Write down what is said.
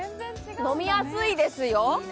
飲みやすいですよ。